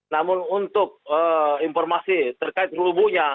namun untuk informasi terkait rubuhnya